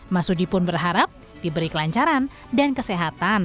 masudi pun berharap diberi kelancaran dan kesehatan